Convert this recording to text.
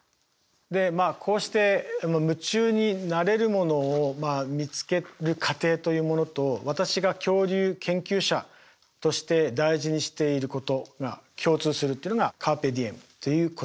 でまあこうして夢中になれるものを見つける過程というものと私が恐竜研究者として大事にしていることが共通するというのが「カルペディエム」という言葉です。